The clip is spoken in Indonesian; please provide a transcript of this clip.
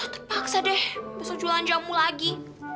terpaksa deh bisa jualan jamu lagi